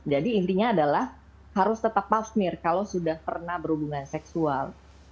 jadi intinya adalah harus tetap pap smear kalau sudah pernah berhubungan seksual